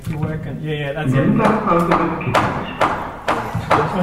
In der Mittagspause wird Kicker gespielt.